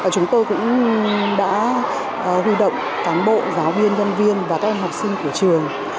chúng tôi cũng đã huy động cán bộ giáo viên nhân viên và các em học sinh của trường